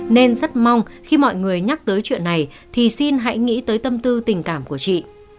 nên rất mong khi mọi người nhắc tới chuyện này thì xin hãy nghĩ tới tâm tư tình cảm của chị